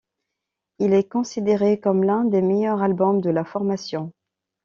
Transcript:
Il est considéré comme l'un des meilleurs albums de la formation.